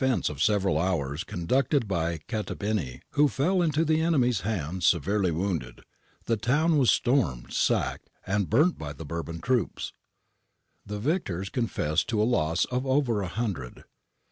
232 GARIBALDI AND THE MAKING OF ITALY of several hours conducted by Cattabeni, who fell into the enemy's hands severely wounded, the town was stormed, sacked, and burnt by the Bourbon troops. The victors confessed to a loss of over a hundred.